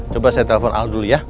coba saya telepon dulu ya